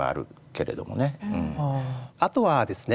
あとはですね